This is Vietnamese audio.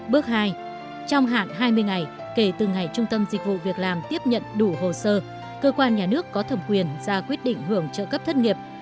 bước hai trong hạn hai mươi ngày kể từ ngày trung tâm dịch vụ việc làm tiếp nhận đủ hồ sơ cơ quan nhà nước có thẩm quyền ra quyết định hưởng trợ cấp thất nghiệp